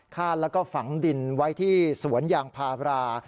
แล้วก็ฝังดินไว้ที่สวนยางพารา